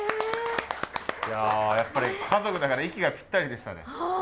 いややっぱり家族だから息がぴったりでしたね。